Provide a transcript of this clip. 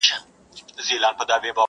په ياغيانو کي منلى وو سردار وو٫